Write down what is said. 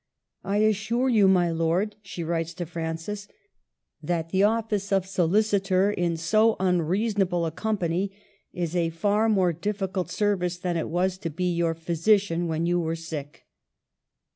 *' I assure you, my lord," she writes to Francis, "' that the office of solicitor in so unreasonable a company is a far more dif ficult service than it was to be your physician when you were sick."